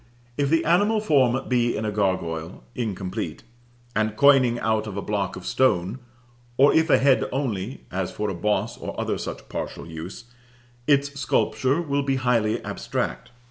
If the animal form be in a gargoyle, incomplete, and coining out of a block of stone, or if a head only, as for a boss or other such partial use, its sculpture will be highly abstract.